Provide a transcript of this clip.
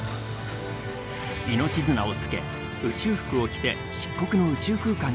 命綱をつけ宇宙服を着て漆黒の宇宙空間に出る。